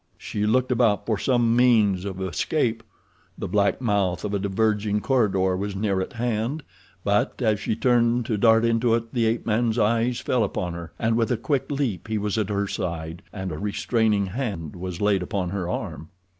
She looked about for some means of escape. The black mouth of a diverging corridor was near at hand, but as she turned to dart into it the ape man's eyes fell upon her, and with a quick leap he was at her side, and a restraining hand was laid upon her arm.